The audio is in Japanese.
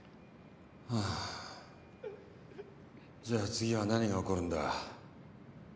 じゃあ次は何が起こるんだ？